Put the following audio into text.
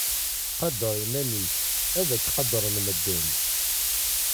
Qader iman-ik ad ak-qadren medden.